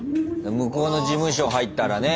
向こうの事務所入ったらね